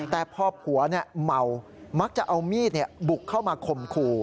แต่พอผัวเมามักจะเอามีดบุกเข้ามาข่มขู่